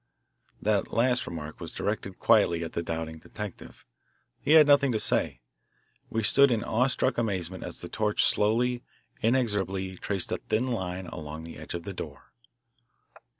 The last remark was directed quietly at the doubting detective. He had nothing to say. We stood in awe struck amazement as the torch slowly, inexorably, traced a thin line along the edge of the door.